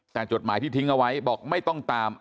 แต่จดหมายที่ทิ้งเอาไว้บอกไม่ต้องตาม